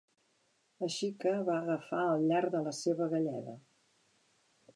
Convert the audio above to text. Així que va agafar al llarg de la seva galleda.